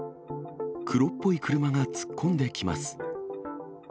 黒っぽい車が突っ込んできます。